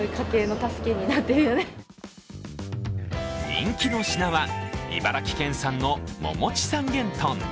人気の品は、茨城県産のももち三元豚。